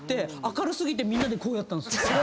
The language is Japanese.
明る過ぎてみんなでこうやったんすよ。